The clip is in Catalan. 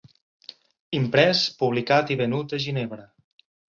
Imprès, publicat i venut a Ginebra.